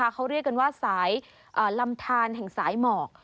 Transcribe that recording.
เขาเรียกกันว่าสายลำทานแห่งสายหมอก